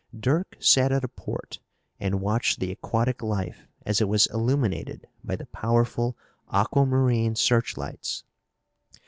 Dirk sat at a port and watched the aquatic life as it was illuminated by the powerful aquamarine searchlights.